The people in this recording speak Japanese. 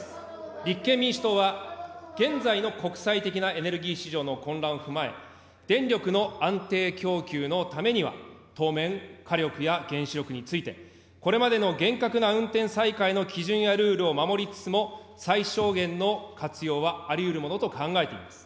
立憲民主党は、現在の国際的なエネルギー市場の混乱を踏まえ、電力の安定供給のためには、当面、火力や原子力について、これまでの厳格な運転再開の基準やルールを守りつつも、最小限の活用はありうるものと考えています。